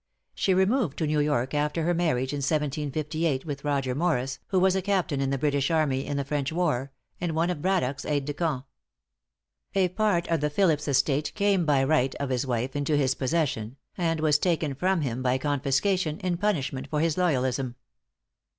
She removed to New York after her marriage, in 1758, with Roger Morris, who was a captain in the British army in the French war, and one of Brad dock's aids de camp. A part of the Philipse estate came by right of his wife into his possession, and was taken from him by confiscation, in punishment for his loyalism.